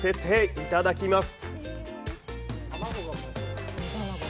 いただきます。